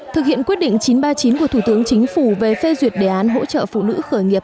thực hiện quyết định chín trăm ba mươi chín của thủ tướng chính phủ về phê duyệt đề án hỗ trợ phụ nữ khởi nghiệp